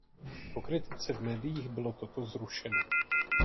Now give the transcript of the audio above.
Po kritice v médiích bylo toto zrušeno.